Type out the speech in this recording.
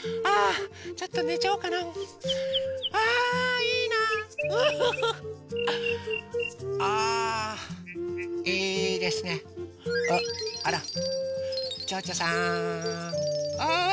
あら。